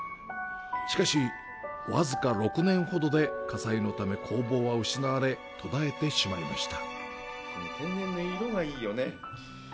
しかし、僅か６年ほどで火災のため工房は失われ、途絶えてしまいました。